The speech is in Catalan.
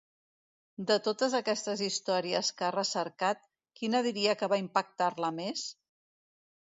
De totes aquestes històries que ha recercat, quina diria que va impactar-la més?